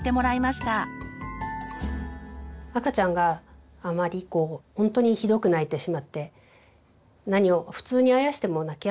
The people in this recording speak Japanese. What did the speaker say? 赤ちゃんがあまりこうほんとにひどく泣いてしまって普通にあやしても泣きやまない時はですね